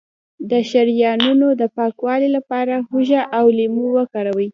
د شریانونو د پاکوالي لپاره هوږه او لیمو وکاروئ